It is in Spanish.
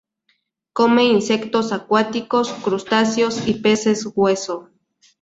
Come insectos acuáticos, crustáceos y peces hueso.